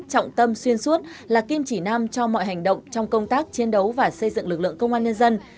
trọng tâm xuyên suốt là kim chỉ nam cho mọi hành động trong công tác chiến đấu và xây dựng lực lượng công an nhân dân